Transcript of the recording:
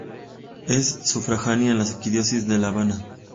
Es sufragánea de la Arquidiócesis de La Habana.